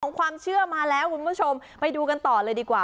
ความเชื่อมาแล้วคุณผู้ชมไปดูกันต่อเลยดีกว่า